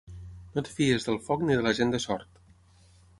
No et fiïs del foc ni de la gent de Sort.